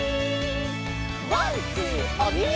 「ワンツーおみみ！」